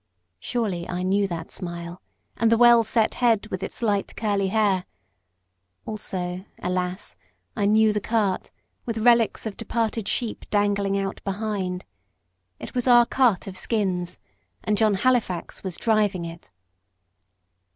Surely, I knew that smile, and the well set head with its light curly hair. Also, alas! I knew the cart with relics of departed sheep dangling out behind. It was our cart of skins, and John Halifax was driving it.